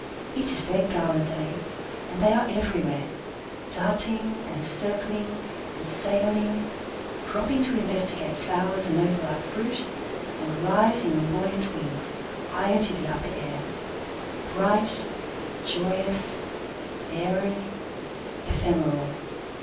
It is their gala day, and they are everywhere, darting and circling and sailing, dropping to investigate flowers and overripe fruit, and rising on buoyant wings high into the upper air, bright, joyous, airy, ephemeral.